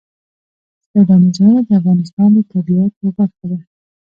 سیلاني ځایونه د افغانستان د طبیعت یوه برخه ده.